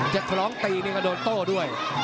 จะหลองตีก็โดนโต้ด้วย